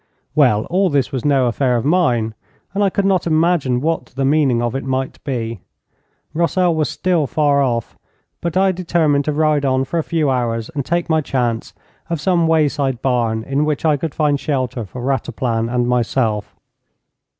Well, all this was no affair of mine, and I could not imagine what the meaning of it might be. Rossel was still far off, but I determined to ride on for a few hours and take my chance of some wayside barn in which I could find shelter for Rataplan and myself.